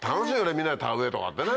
みんなで田植えとかってね。